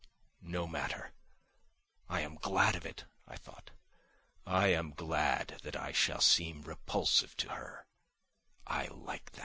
"No matter, I am glad of it," I thought; "I am glad that I shall seem repulsive to her; I like tha